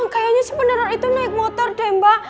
kayaknya si peneror itu naik motor demba